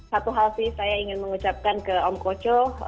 satu hal sih saya ingin mengucapkan ke om koco